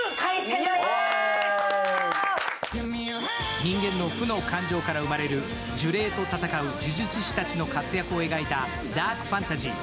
人間の負の感情から生まれる呪霊と戦う呪術師たちの活躍を描いたダークファンタジー。